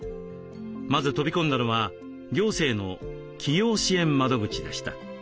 まず飛び込んだのは行政の起業支援窓口でした。